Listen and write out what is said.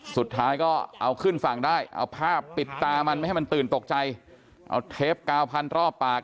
สุดท้ายก็เอาขึ้นฝั่งได้เอาภาพปิดตามันไม่ให้มันตื่นตกใจเอาเทปกาวพันรอบปาก